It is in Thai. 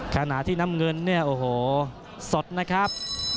ขณะที่น้ำเงินเนี่ยโอ้โหสดนะครับ